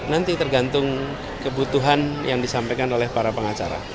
nanti tergantung kebutuhan yang disampaikan oleh para pengacara